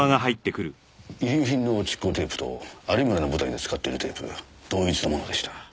遺留品の蓄光テープと有村の舞台で使っているテープ同一のものでした。